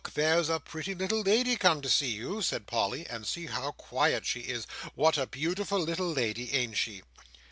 there's a pretty little lady come to see you," said Polly; "and see how quiet she is! what a beautiful little lady, ain't she?"